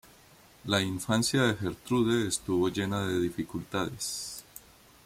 La infancia de Gertrude estuvo llena de dificultades.